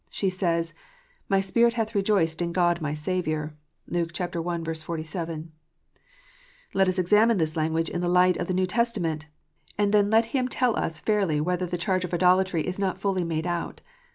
She says, "My spirit hath rejoiced in God my Saviour." (Luke i. 47.) Let him examine this language in the light of the New Testament, and then let him tell us fairly whether the charge of idolatry is not fully made out.